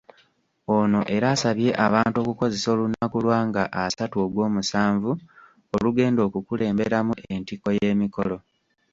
Ono era esabye abantu okukozesa olunaku lwa nga asatu ogwomusaanvu olugenda okukulemberamu entikko y'emikolo.